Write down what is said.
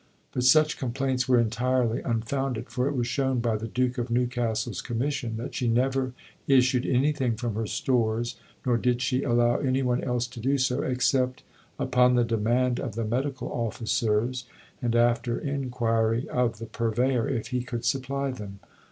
" But such complaints were entirely unfounded; for it was shown by the Duke of Newcastle's Commission that she never issued anything from her stores, nor did she allow any one else to do so, except upon the demand of the medical officers, and after inquiry of the Purveyor if he could supply them.